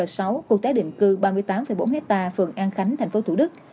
chung cư tái định cư ba mươi tám bốn hectare phường an khánh thành phố thủ đức